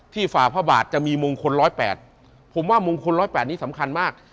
ฝ่าพระบาทจะมีมงคล๑๐๘ผมว่ามงคล๑๐๘นี้สำคัญมาก